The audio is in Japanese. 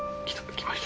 きました。